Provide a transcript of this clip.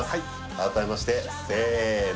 改めましてせの